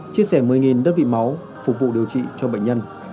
chia sẻ một mươi đơn vị máu phục vụ điều trị cho bệnh nhân